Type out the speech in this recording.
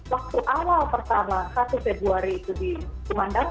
waktu awal pertama satu februari itu di pemandang